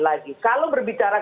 jadi kita tidak mau ada perlindungan